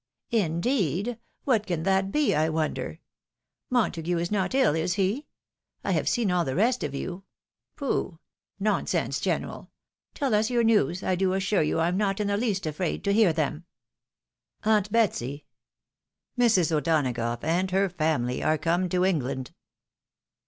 " Indeed ! what can that be, I wonder ? Montague is not ill, is he ? I have seen all the rest of you — pooh ! nonsense, general !— ^tell us your news, I do assure you I am not in the least afraid to hear them." "Aunt Betsy! — ^Mrs. O'Donagough and her family are come to England."